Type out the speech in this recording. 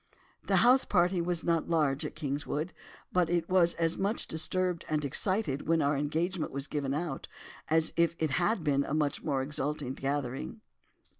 "The house party was not large at Kingswood, but it was as much disturbed and excited when our engagement was given out, as if it had been a much more exalted gathering.